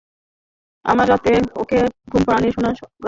আর রাতে ওকে ঘুমপাড়ানির গান শোনায়।